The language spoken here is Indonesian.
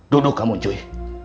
duduk kamu cuy